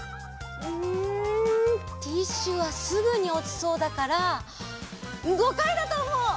うんティッシュはすぐにおちそうだから５かいだとおもう！